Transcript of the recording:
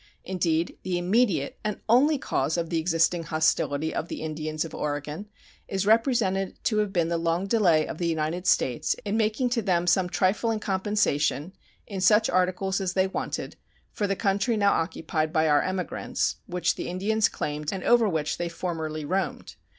Indeed, the immediate and only cause of the existing hostility of the Indians of Oregon is represented to have been the long delay of the United States in making to them some trifling compensation, in such articles as they wanted, for the country now occupied by our emigrants, which the Indians claimed and over which they formerly roamed.